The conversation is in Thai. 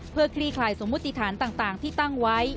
เพื่อคลี่คลายสมมุติฐานต่างที่ตั้งไว้